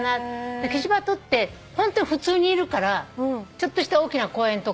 キジバトってホント普通にいるからちょっとした大きな公園とか。